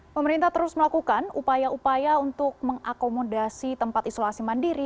pemerintah terus melakukan upaya upaya untuk mengakomodasi tempat isolasi mandiri